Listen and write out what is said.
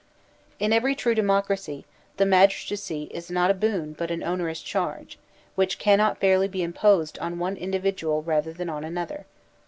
In every true democracy, the magistracy is not a boon but an onerous charge, which cannot fairly be imposed on one individual rather than on another.